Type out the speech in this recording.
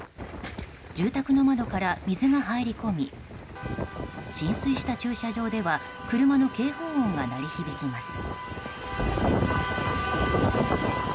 住宅の窓から水が入り込み浸水した駐車場では車の警報音が鳴り響きます。